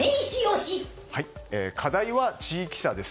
課題は地域差です。